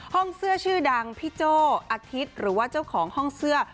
เสื้อชื่อดังพี่โจ้อาทิตย์หรือว่าเจ้าของห้องเสื้อ